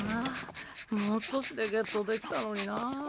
もう少しでゲットできたのになぁ。